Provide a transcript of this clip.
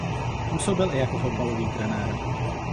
Působil i jako fotbalový trenér.